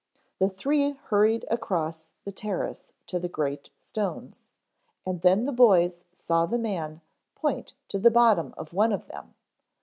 The three hurried across the terrace to the great stones, and then the boys saw the man point to the bottom of one of them.